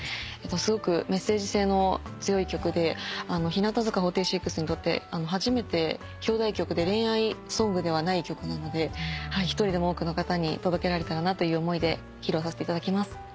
すごくメッセージ性の強い曲で日向坂４６にとって初めて表題曲で恋愛ソングではない曲なので１人でも多くの方に届けられたらなという思いで披露させていただきます。